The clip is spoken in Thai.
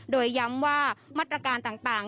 โดยย้ำว่ามาตรการต่าง